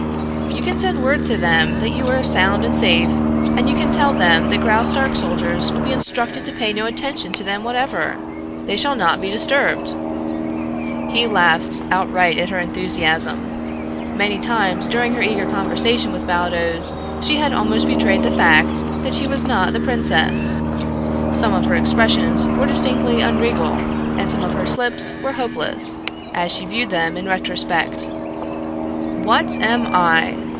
"You can send word to them that you are sound and safe and you can tell them that Graustark soldiers shall be instructed to pay no attention to them whatever. They shall not be disturbed." He laughed outright at her enthusiasm. Many times during her eager conversation with Baldos she had almost betrayed the fact that she was not the princess. Some of her expressions were distinctly unregal and some of her slips were hopeless, as she viewed them in retrospect. "What am I?